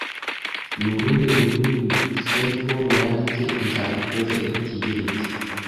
Ni uruhe rurimi St Paul yanditse inzandiko ze Ikigereki